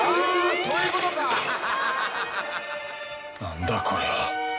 「何だこれは」